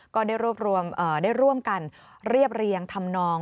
ก็ได้ร่วมกันเรียบเรียงทำนอง